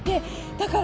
だから！